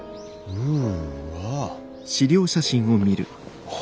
うん。